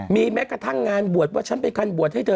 มีแม้กระทั่งงานบวชว่าฉันเป็นคันบวชให้เธอ